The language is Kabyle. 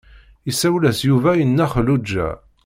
Isawel-as Yuba i Nna Xelluǧa.